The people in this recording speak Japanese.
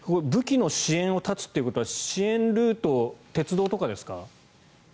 武器の支援を断つということは支援ルートは鉄道とかですか。